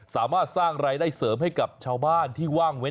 สามารถสร้างรายได้เสริมให้กับชาวบ้านที่ว่างเว้น